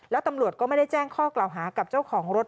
แล้วตำรวจก็ไม่ได้แจ้งข้อกล่าวหากับเจ้าของรถ